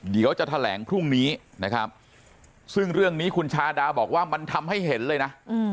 เดี๋ยวจะแถลงพรุ่งนี้นะครับซึ่งเรื่องนี้คุณชาดาบอกว่ามันทำให้เห็นเลยนะ